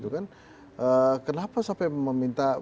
kenapa sampai meminta